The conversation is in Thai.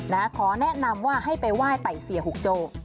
ขอแนะนำว่าให้ไปไหว้ไต่เสียหุกโจ้